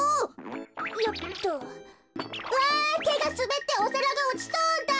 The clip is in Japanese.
わてがすべっておさらがおちそうだ！